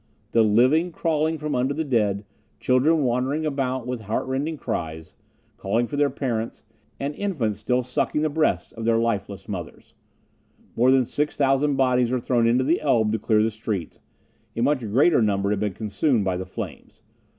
The living crawling from under the dead, children wandering about with heart rending cries, calling for their parents; and infants still sucking the breasts of their lifeless mothers. More than 6,000 bodies were thrown into the Elbe to clear the streets; a much greater number had been consumed by the flames.